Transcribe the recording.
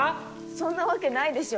そんなわけないでしょ。